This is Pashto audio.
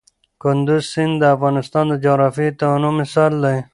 کندز سیند د افغانستان د جغرافیوي تنوع مثال دی.